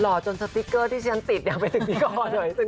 หล่อจนสติกเกอร์ที่ฉันติดยังไปถึงนี่ก่อนเลย